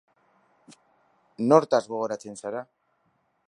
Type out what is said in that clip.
Nortaz gogoratzen zara?